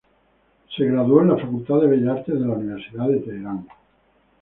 Se graduó en la Facultad de Bellas Artes de la "Universidad de Teherán".